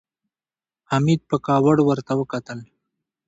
حميد په کاوړ ورته وکتل.